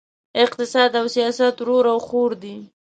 اقتصاد او سیاست ورور او خور دي!